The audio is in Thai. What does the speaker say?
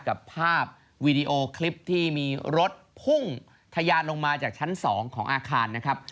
กับภาพวีดีโอคลิปที่มีรถพุ่งทะยานลงมาจากชั้น๒ของอาคารนะครับ